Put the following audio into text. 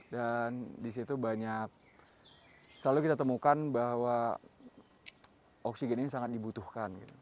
dan disitu banyak selalu kita temukan bahwa oksigen ini sangat dibutuhkan